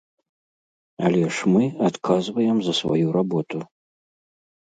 Але ж мы адказваем за сваю работу.